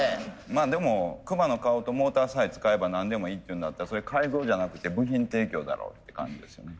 まあでもクマの顔とモーターさえ使えば何でもいいっていうんだったらそれ改造じゃなくて部品提供だろって感じですよね。